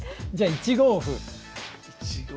１五歩。